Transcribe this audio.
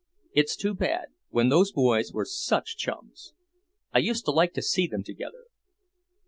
It's too bad, when those boys were such chums. I used to like to see them together."